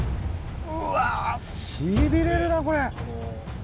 うわしびれるなこれ。